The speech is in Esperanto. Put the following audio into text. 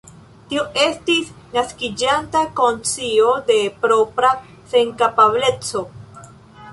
Tio estis naskiĝanta konscio de propra senkapableco.